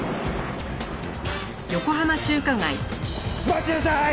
待ちなさい！